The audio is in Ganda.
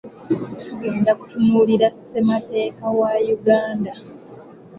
Tugenda kutunuulira ssemateeka wa Uganda.